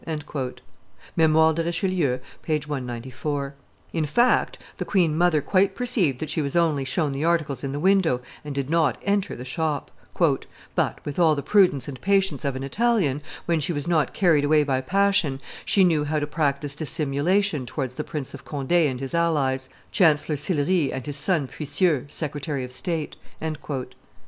[Memoires de Richelieu, t. ii. p. 194.] In fact, the queen mother quite perceived that she was only shown the articles in the window, and did not enter the shop; "but, with all the prudence and patience of an Italian, when she was not carried away by passion, she knew how to practise dissimulation towards the Prince of Conde and his allies, Chancellor Sillery and his son Puisieux, secretary of state.